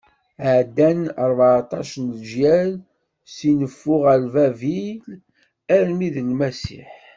Ɛeddan rbeɛṭac n leǧyal si neffu ɣer Babil armi d Lmasiḥ.